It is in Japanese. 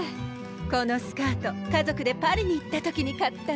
このスカート家族でパリに行った時に買ったの。